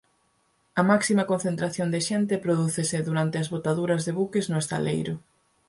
A máxima concentración de xente prodúcese durante as botaduras de buques no estaleiro.